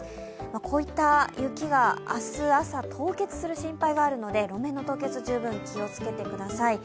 こういった雪が明日朝、凍結する心配があるので路面の凍結、十分気をつけてください。